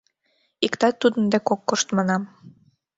Иктат тудын дек ок кошт, манам.